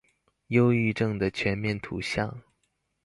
憂鬱症的全面圖像